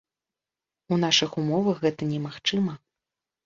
У нашых умовах гэта немагчыма.